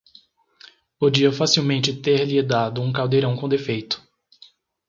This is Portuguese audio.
podia facilmente ter-lhe dado um caldeirão com defeito.